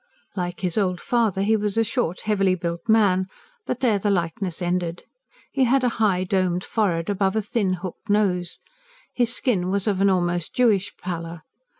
Like his old father, he was a short, heavily built man; but there the likeness ended. He had a high, domed forehead, above a thin, hooked nose. His skin was of an almost Jewish pallor.